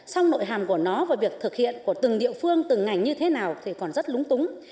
song nội hàm của nó và việc thực hiện của từng địa phương từng ngành như thế nào thì còn rất lúng túng